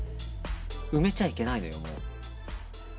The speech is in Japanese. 埋めちゃいけないのよ。